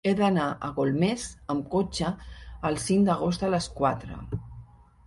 He d'anar a Golmés amb cotxe el cinc d'agost a les quatre.